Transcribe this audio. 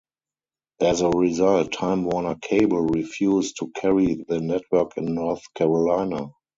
As a result, Time Warner Cable refused to carry the network in North Carolina.